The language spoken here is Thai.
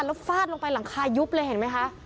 แล้วฟาดลงไปหลังคายุบเลยเห็นไหมคะ